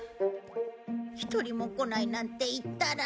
一人も来ないなんて言ったら。